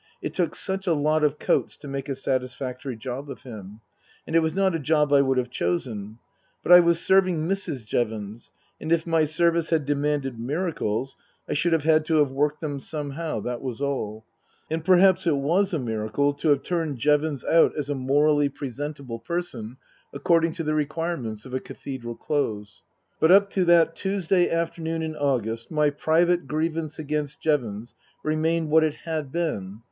It took such a lot of coats to make a satisfactory job of him. And it was not a job I would have chosen. But I was serving Mrs. Jevons, and if my service had demanded miracles I should have had to have worked them somehow, that was all. And perhaps it was a miracle to have turned Jevons out as a morally presentable Book II : Her Book 131 person according to the requirements of a Cathedral Close. But up to that Tuesday afternoon in August my private grievance against Jevons remained what it had been.